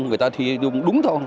người ta thì đúng thôi